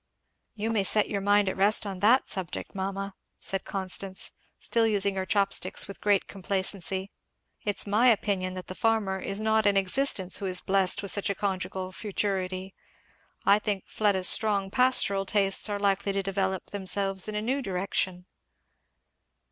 "You may set your mind at rest on that subject, mamma," said Constance, still using her chop sticks with great complacency; "it's my opinion that the farmer is not in existence who is blessed with such a conjugal futurity. I think Fleda's strong pastoral tastes are likely to develope themselves in a new direction."